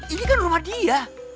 ini kan rumah dia